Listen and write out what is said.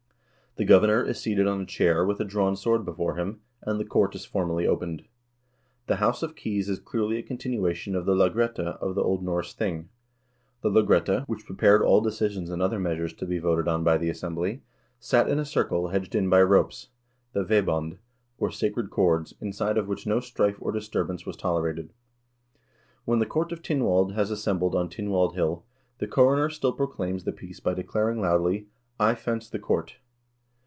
The governor is seated on a chair with a drawn sword before him, and the court is formally opened. The House of Keys is clearly a continuation of the lagrette of the old Norse thing. The lagrette, which prepared all decisions and other measures to be voted on by the assembly, sat in a circle hedged in by ropes, the vebond, or sacred cords, inside of which no strife or disturbance was tolerated. When the Court of Tynwald has assembled on Tynwald Hill, the coroner still proclaims the peace by declaring loudly: "I fence the court."